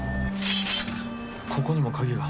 ここにも鍵が。